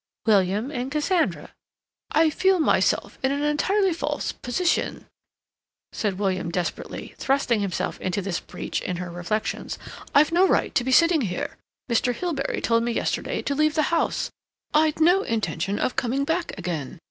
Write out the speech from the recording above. "William and Cassandra." "I feel myself in an entirely false position," said William desperately, thrusting himself into this breach in her reflections. "I've no right to be sitting here. Mr. Hilbery told me yesterday to leave the house. I'd no intention of coming back again.